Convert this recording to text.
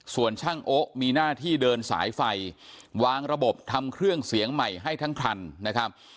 ส่วนช่างโอ๊ะมีหน้าที่เดินสายไฟวางระบบทำเครื่องเสียงใหม่ให้ทั้งคันนะครับ